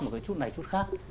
một cái chút này chút khác